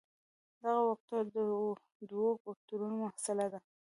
دغه وکتور د دوو وکتورونو محصله ده.